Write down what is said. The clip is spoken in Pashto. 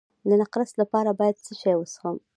د نقرس لپاره باید څه شی وڅښم؟